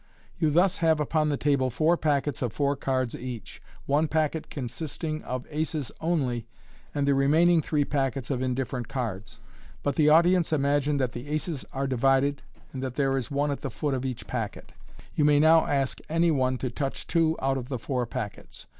You thus have upon the table four packets of four cards each, one packet con sisting of aces only, and the remaining three packets of indifferent cards j but the audience imagine that the aces are divided, and that there is one at the foot of each packet. You now ask any one to touch two out of the four packets.